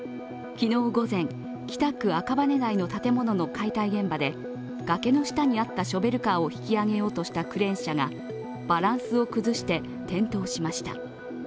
昨日午前、北区赤羽台の建物の解体現場で崖の下にあったショベルカーを引き上げようとしたクレーン車がバランスを崩して転倒しました。